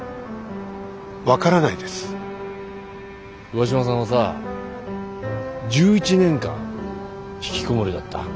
上嶋さんはさ１１年間ひきこもりだった。